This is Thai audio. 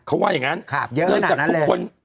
เขาว่าอย่างงั้นครับเยอะขนาดนั้นเลยเนื่องจากทุกคน